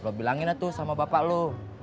lo bilangin aja tuh sama bapak lo